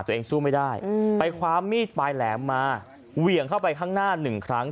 สู้ไม่ได้ไปคว้ามีดปลายแหลมมาเหวี่ยงเข้าไปข้างหน้าหนึ่งครั้ง